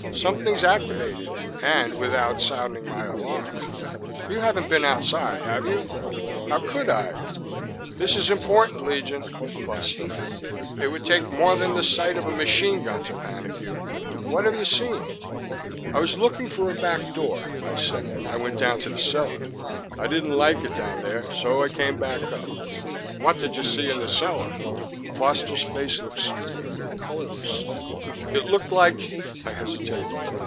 Something's activated it and without sounding my alarm. You haven't been outside, have you?" "How could I " "This is important, Legion," Foster rapped. "It would take more than the sight of a machine gun to panic you. What have you seen?" "I was looking for a back door," I said. "I went down to the cellar. I didn't like it down there so I came back up." "What did you see in the cellar?" Foster's face looked strained, colorless. "It looked like ..." I hesitated.